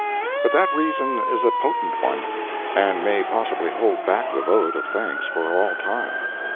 But that reason is a potent one, and may possibly hold back the vote of thanks for all time.